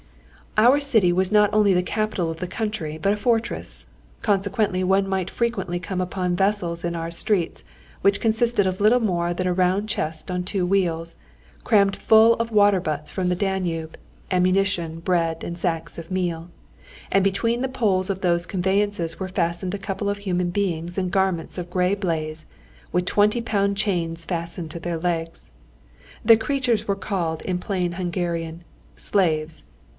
Our city was not only the capital of the county, but a fortress. Consequently one might frequently come upon vehicles in our streets which consisted of little more than a round chest on two wheels, crammed full of water butts from the Danube, ammunition, bread, and sacks of meal, and between the poles of these conveyances were fastened a couple of human beings in garments of grey baize, with twenty pound chains fastened to their legs. The creatures were called in plain Hungarian slaves.